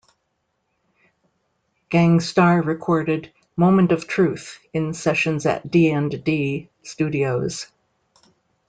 Gang Starr recorded "Moment of Truth" in sessions at D and D Studios.